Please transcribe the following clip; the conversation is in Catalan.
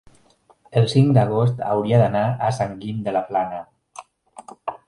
el cinc d'agost hauria d'anar a Sant Guim de la Plana.